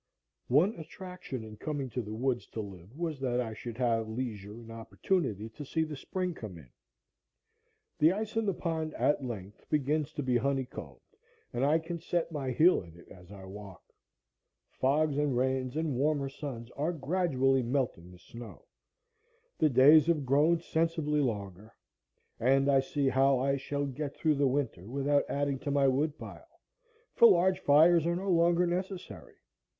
One attraction in coming to the woods to live was that I should have leisure and opportunity to see the spring come in. The ice in the pond at length begins to be honey combed, and I can set my heel in it as I walk. Fogs and rains and warmer suns are gradually melting the snow; the days have grown sensibly longer; and I see how I shall get through the winter without adding to my wood pile, for large fires are no longer necessary.